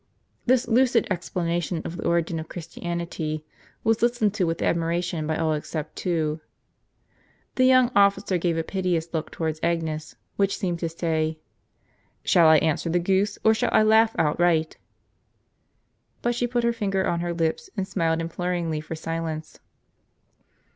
* Tliis lucid explanation of the origin of Christianity was listened to with admiration by all except two. The young officer gave a piteous look towards Agnes, which seemed to say, "Shall I answer the goose, or shall I laugh outright?" But she put her finger on her lips, and smiled imploringly for silence.